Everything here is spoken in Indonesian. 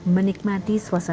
menikmati sepanjang hari